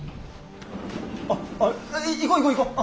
あっ行こう行こう行こう。